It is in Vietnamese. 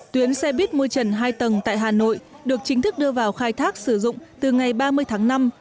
tuyến xe buýt môi trần hai tầng tại hà nội được chính thức đưa vào khai thác sử dụng từ ngày ba mươi tháng năm